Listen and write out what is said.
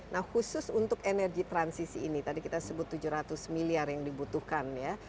nah khusus untuk energi transisi ini tadi kita sebut tujuh ratus miliar yang dibutuhkan ya